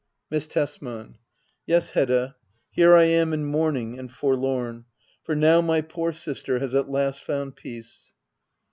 Miss Tesman. Yes^ Hedda, here I am, in mourning and forlorn; for now my poor sister has at last found peace.